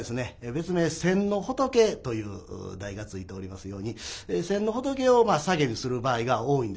別名「先の仏」という題がついておりますように先の仏をサゲにする場合が多いんです。